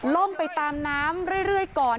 ไปตามน้ำเรื่อยก่อน